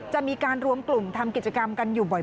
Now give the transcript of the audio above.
จะมีการรวมกลุ่มทำกิจกรรมกันอยู่บ่อย